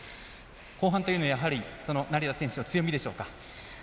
後半というのは、やはり成田選手の強みでしょうか。